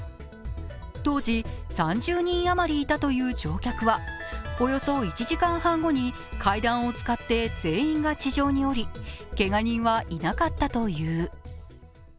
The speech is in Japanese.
当時３０人余りいたという乗客は、およそ１時間半後に階段を使って全員が地上に下りけが人はいなかったという。